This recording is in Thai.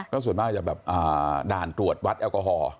ส่วนมากจะแบบด่านตรวจวัดแอลกอฮอล์